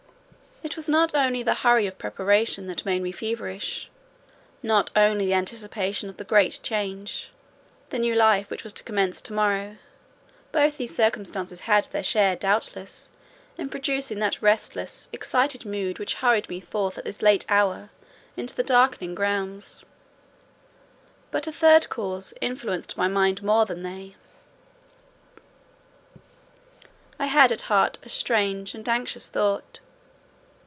It was not only the hurry of preparation that made me feverish; not only the anticipation of the great change—the new life which was to commence to morrow: both these circumstances had their share, doubtless, in producing that restless, excited mood which hurried me forth at this late hour into the darkening grounds: but a third cause influenced my mind more than they. I had at heart a strange and anxious thought.